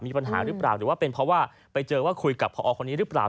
มีปัญหาหรือเปล่าหรือว่าเป็นเพราะว่าไปเจอว่าคุยกับพอคนนี้หรือเปล่า